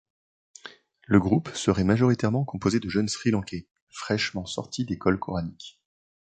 Le groupe serait majoritairement composé de jeunes Sri-lankais, fraîchement sortis d’écoles coraniques.